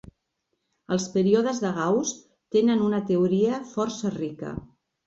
Els períodes de Gauss tenen una teoria força rica.